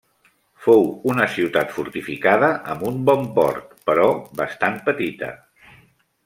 Fou una ciutat fortificada amb un bon port, però bastant petita.